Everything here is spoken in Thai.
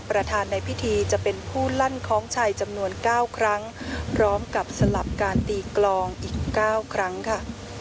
ประธานในพิธีจะเป็นผู้ลั่นคล้องชัยจำนวน๙ครั้งพร้อมกับสลับการตีกลองอีก๙ครั้งค่ะ